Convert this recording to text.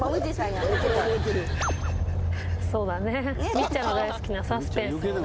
みっちゃんの大好きなサスペンスのね。